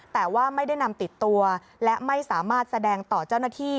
แต่ว่าไม่ได้นำติดตัวและไม่สามารถแสดงต่อเจ้าหน้าที่